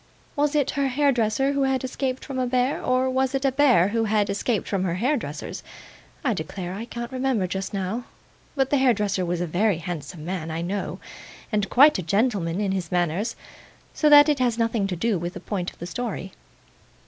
Was it her hairdresser who had escaped from a bear, or was it a bear who had escaped from her hairdresser's? I declare I can't remember just now, but the hairdresser was a very handsome man, I know, and quite a gentleman in his manners; so that it has nothing to do with the point of the story.